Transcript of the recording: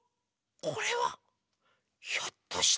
これはひょっとして。